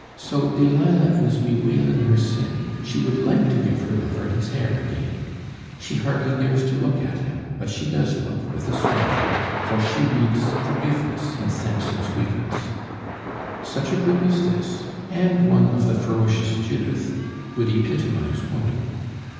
So Delilah is bewailing her sin, she would like to give her lover his hair again. She hardly dares to look at him; but she does look, with a smile, for she reads forgiveness in Samson's weakness. Such a group as this, and one of the ferocious Judith, would epitomize woman.